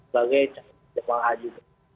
sebagai jemaah haji